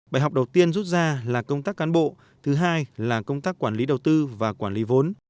bài học đầu tiên rút ra là công tác cán bộ thứ hai là công tác quản lý đầu tư và quản lý vốn